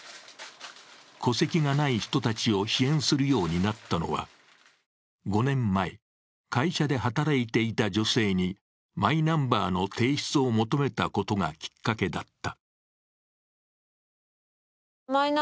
戸籍がない人たちを支援するようになったのは５年前、会社で働いていた女性にマイナンバーの提出を求めたことがきっかけだった。